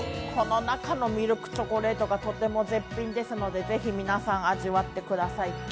この中のミルクチョコレートがとても絶品ですので、ぜひ皆さん、味わってください。